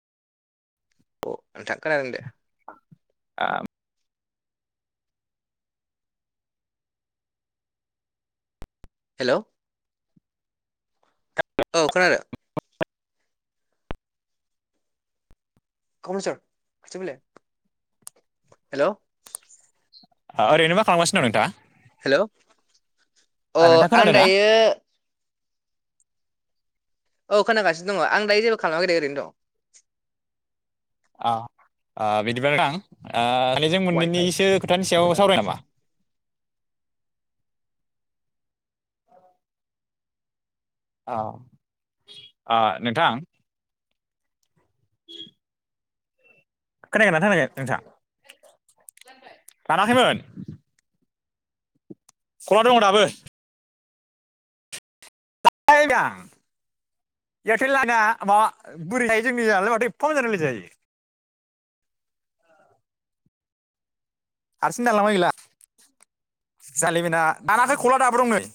अ नोंथां खोनादों दे। आ। हेलौ। औ खोनादों? खमलेसर खाथि आव फैलाय हेल'। ओरैनो मा खालामगसिनो दं नोंथाङा? हेल' अ ओ नोंथाङा आं खोनादों ना? दायो औ खोनागासिनो दं आं दायो जेबो खालामाखै दे ओरैनो दङो। अ अ बिदिबा नोंथां ओ सानै जों मोननैनिसो खोथानि सायाव वाइफाइ सावरायनो नामा? औ अ नोंथां। खोनादों ना खोनायाखै नोंथाङां? दानाखैमोन। फनाव दङ दाबो? आं [unintelligible] एआरटेला आंना माबा बोरै [unintelligible] जोंनियालाय माबोरै एफा मोजां रायलायजायो हारसिं दानलांबाय गैला जायालै बेना आंनाथ' खला दाबो दं नै